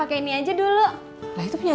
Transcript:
abang salah mulu di mata emak